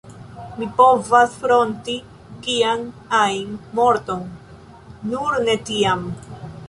Mi povas fronti kian ajn morton, nur ne tian.